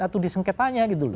atau disengketanya gitu loh